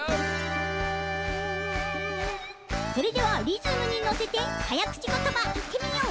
それではリズムにのせてはやくちことばいってみよう！